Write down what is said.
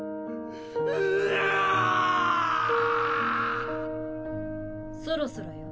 うおぉ‼そろそろよ。